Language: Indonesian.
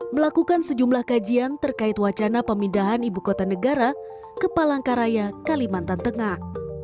melakukan sejumlah kajian terkait wacana pemindahan ibu kota negara ke palangkaraya kalimantan tengah